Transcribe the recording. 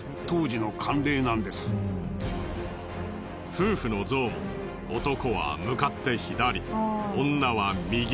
夫婦の像も男は向かって左女は右。